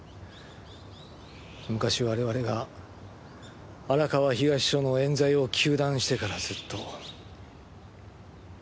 昔我々が荒川東署の冤罪を糾弾してからずっと。